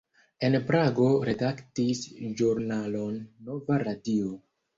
En Prago redaktis ĵurnalon "Nova radio".